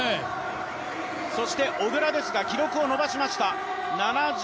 そして小椋ですが、記録を伸ばしました。